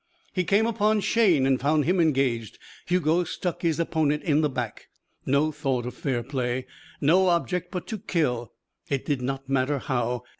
He came upon Shayne and found him engaged. Hugo stuck his opponent in the back. No thought of fair play, no object but to kill it did not matter how.